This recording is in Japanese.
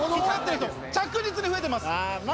着実に増えてます。